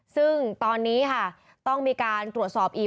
ซึ่งตอนนี้ค่ะต้องมีการตรวจสอบอีก